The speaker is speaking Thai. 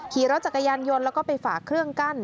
ขี่รถจักรยานยนต์แล้วก็ไปฝากเครื่องกั้น